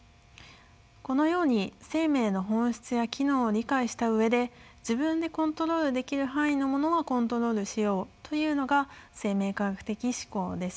このように生命の本質や機能を理解した上で自分でコントロールできる範囲のものはコントロールしようというのが生命科学的思考です。